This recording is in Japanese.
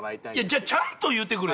じゃあちゃんと言うてくれ。